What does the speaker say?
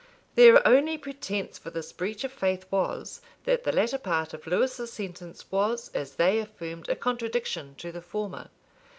Their only pretence for this breach of faith was, that the latter part of Lewis's sentence was, as they affirmed, a contradiction to the former.